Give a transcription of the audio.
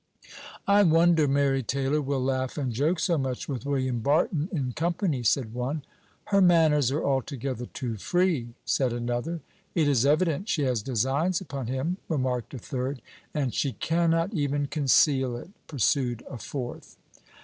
"I wonder Mary Taylor will laugh and joke so much with William Barton in company," said one. "Her manners are altogether too free," said another. "It is evident she has designs upon him," remarked a third. "And she cannot even conceal it," pursued a fourth.